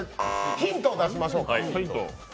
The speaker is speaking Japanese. ヒントを出しましょう。